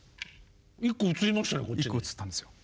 １個移ったんですよ。